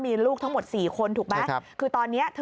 มีลูกทั้งหมดสี่คนถูกไหม